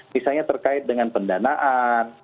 misalnya terkait dengan pendanaan